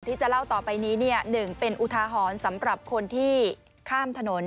ที่จะเล่าต่อไปนี้๑เป็นอุทาหรณ์สำหรับคนที่ข้ามถนน